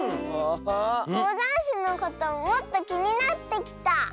こうだんしのこともっときになってきた！